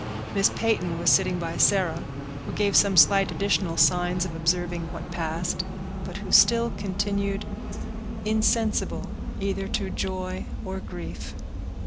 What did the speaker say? Miss Peyton was sitting by Sarah, who gave some slight additional signs of observing what passed, but who still continued insensible either to joy or grief.